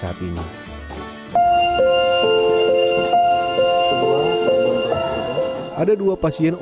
ada dua pasien odgg lansia di tempat ini akan ter collaborations si disuruh untuk di preinser spelling nya